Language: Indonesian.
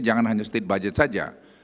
jangan hanya state budget saja